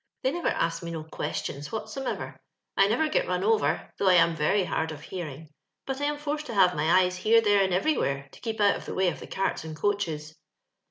Thoy never asks me no questions whatsomever. I never get run over, though I am very hard of hearing ; but I am forced to have my eyes here, there, and everywhere, to keep out of the way of the carts and coaches.